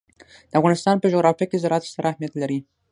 د افغانستان په جغرافیه کې زراعت ستر اهمیت لري.